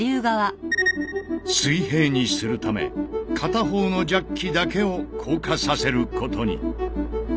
水平にするため片方のジャッキだけを降下させることに。